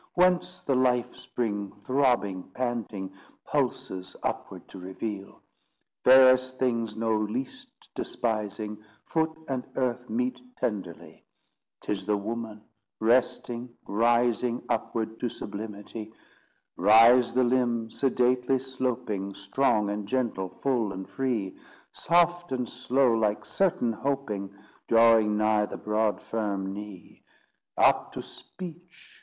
Whence the life spring, throbbing, panting, Pulses upward to reveal! Fairest things know least despising; Foot and earth meet tenderly: 'Tis the woman, resting, rising Upward to sublimity, Rise the limbs, sedately sloping, Strong and gentle, full and free; Soft and slow, like certain hoping, Drawing nigh the broad firm knee. Up to speech!